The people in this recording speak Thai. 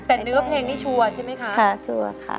แต่เนื้อเพลงนี้ชัวร์ใช่ไหมคะชัวร์ค่ะ